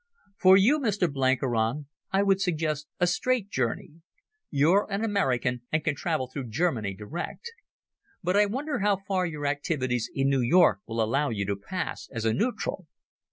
"For you, Mr Blenkiron, I would suggest a straight journey. You're an American, and can travel through Germany direct. But I wonder how far your activities in New York will allow you to pass as a neutral?"